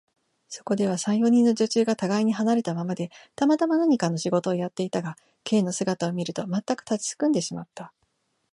そこでは、三、四人の女中がたがいに離れたままで、たまたま何かの仕事をやっていたが、Ｋ の姿を見ると、まったく立ちすくんでしまった。